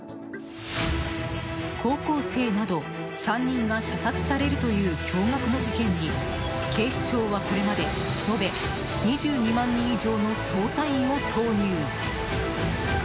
高校生など３人が射殺されるという驚愕の事件に警視庁はこれまで延べ２２万人以上の捜査員を投入。